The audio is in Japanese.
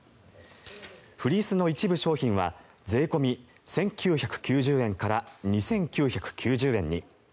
フリースの一部商品は税込み１９９０円から２９９０円に。